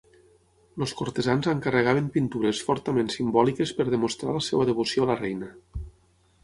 Els cortesans encarregaven pintures fortament simbòliques per demostrar la seva devoció a la reina.